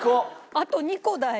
あと２個だよ。